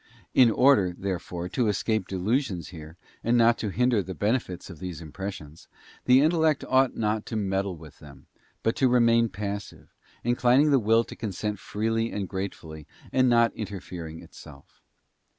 In order, therefore, to escape delusions here, and not to hinder the benefits of these impressions, the intellect ought not to meddle with them, but to remain passive, inclining the will to consent freely and gratefully, and not interfering itself.